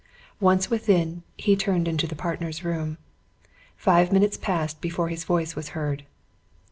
Once within, he turned into the partners' room. Five minutes passed before his voice was heard.